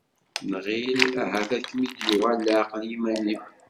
Nɣil ahat ad kem-id-yuɣal leɛqel yiman-im.